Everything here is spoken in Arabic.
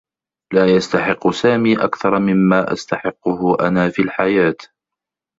لا يستحقّ سامي أكثر ممّا أستحقّه أنا في الحياة.